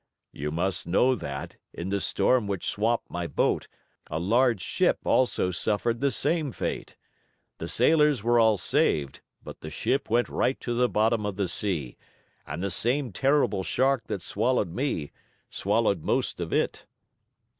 "You must know that, in the storm which swamped my boat, a large ship also suffered the same fate. The sailors were all saved, but the ship went right to the bottom of the sea, and the same Terrible Shark that swallowed me, swallowed most of it."